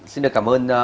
xin được cảm ơn